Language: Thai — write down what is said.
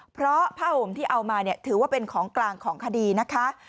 เพราะผ้าห่มที่เอามาเนี่ยถือว่าเป็นของกลางของคดีนะคะ